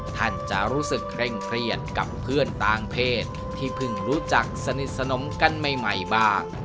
ท่านจะรู้สึกเคร่งเครียดกับเพื่อนต่างเพศที่เพิ่งรู้จักสนิทสนมกันใหม่บ้าง